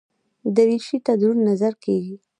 دریشي ته دروند نظر کېږي.